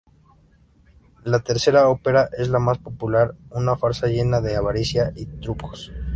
La tercera ópera es la más popular, una farsa llena de avaricia y trucos.